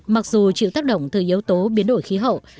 mặc dù chịu tác động từ yếu tố biến đổi khí hậu